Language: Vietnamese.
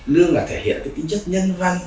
lương là thể hiện cái tính chất nhân văn